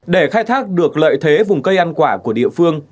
để khai thác được lợi thế vùng cây ăn quả của địa phương